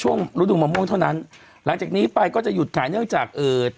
ฤดูมะม่วงเท่านั้นหลังจากนี้ไปก็จะหยุดขายเนื่องจากเอ่อ